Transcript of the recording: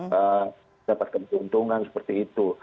mendapatkan keuntungan seperti itu